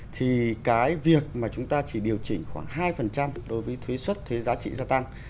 thì cái việc mà chúng ta chỉ điều chỉnh khoảng hai đối với thuế xuất thuế giá trị gia tăng